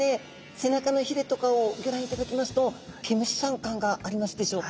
背中のヒレとかをギョ覧いただきますと毛虫さん感がありますでしょうか。